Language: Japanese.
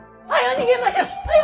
逃げましょ！はよ！